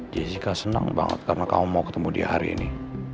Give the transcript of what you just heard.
jessica senang banget karena kamu mau ketemu dia hari ini